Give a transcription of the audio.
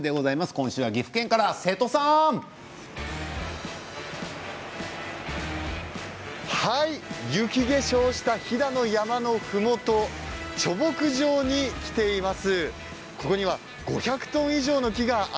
今週は岐阜県から、瀬戸さん。雪化粧した飛騨の山のふもと、貯木場に来ています。